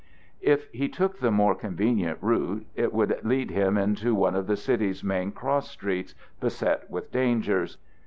If he took the more convenient route, it would lead him into one of the city's main cross streets, beset with dangers.